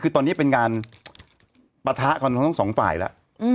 คือตอนนี้เป็นการปะทะกันของทั้งสองฝ่ายแล้ว